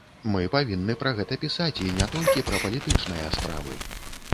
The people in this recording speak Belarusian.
Мы павінны пра гэта пісаць, і не толькі пра палітычныя справы.